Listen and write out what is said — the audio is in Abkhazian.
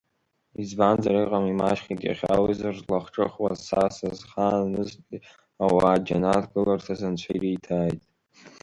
Избанзар иҟам, имаҷхеит иахьа уи зырлахҿыхуаз, са сызхаанызтәи ауаа, џьанаҭ гыларҭас Анцәа ириҭааит!